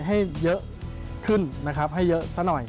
ให้เยอะขึ้นนะครับให้เยอะซะหน่อย